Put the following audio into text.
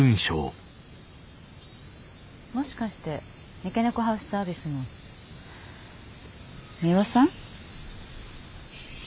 もしかして三毛猫ハウスサービスの美羽さん？